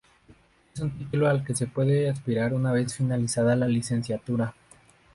Es un título al que se puede aspirar una vez finalizada la Licenciatura.